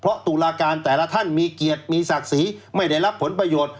เพราะตุลาการแต่ละท่านมีเกียรติมีศักดิ์ศรีไม่ได้รับผลประโยชน์